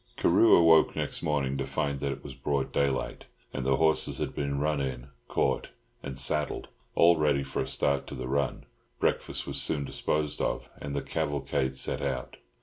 Carew awoke next morning to find that it was broad daylight, and the horses had been run in, caught, and saddled, all ready for a start to the run. Breakfast was soon disposed of, and the cavalcade set out.